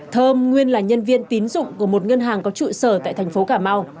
thơm nguyên là nhân viên tín dụng của một ngân hàng có trụ sở tại thành phố cà mau